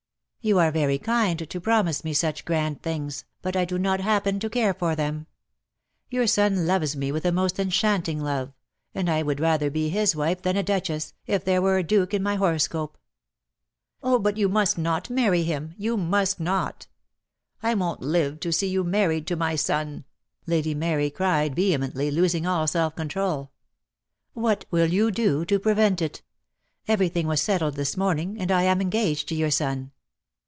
"You are very kind to promise me such grand things, but I do not happen to care for them. Your son loves me with a most enchanting love, and I would rather be his wife than a duchess, if there were a duke in my horoscope." ' "Oh, but you must not marry him — you must not. I won't live to see you married to my son," Lady Maiy cried vehemently, losing all self control. "What will you <Jo to prevent it? Everything was settled this morning, and I am engaged to your son.